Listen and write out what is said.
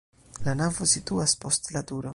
La navo situas post la turo.